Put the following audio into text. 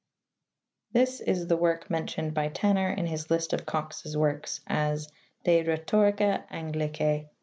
385) This is the work mentioned by Tanner in his list of Cox's works as "De rhetorica anglice.